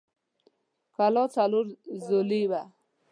کلا څلور ضلعۍ وه.